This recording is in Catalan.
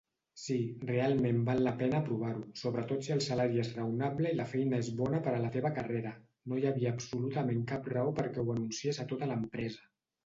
Sí, realment val la pena provar-ho, sobretot si el salari és raonable i la feina és bona per a la teva carrera. No hi havia absolutament cap raó perquè ho anunciés a tota l'empresa.